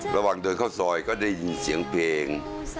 ระหว่างเดินเข้าซอยก็ได้ยินเสียงเพลง